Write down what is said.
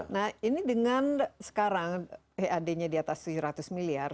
nah ini dengan sekarang pad nya di atas tujuh ratus miliar